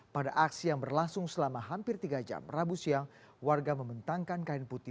pada aksi yang berlangsung selama hampir tiga jam rabu siang warga membentangkan kain putih